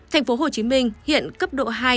thành phố hồ chí minh hiện cấp độ hai